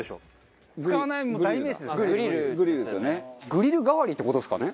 グリル代わりって事ですかね。